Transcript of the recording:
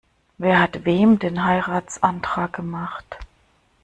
Wer hat wem den Heiratsantrag gemacht?